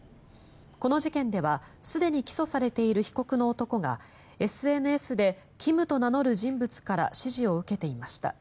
この事件ではすでに起訴されている被告の男がＳＮＳでＫＩＭと名乗る人物から指示を受けていました。